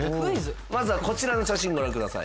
まずはこちらの写真ご覧ください。